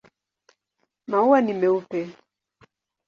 Maua ni meupe.